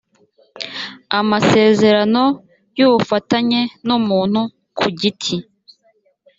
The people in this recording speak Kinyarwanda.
amasezerano y ubufatanye n umuntu ku giti